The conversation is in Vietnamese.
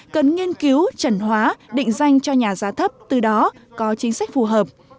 cần nghiên cứu trần hóa định danh cho nhà giá thấp từ đó có chính sách phù hợp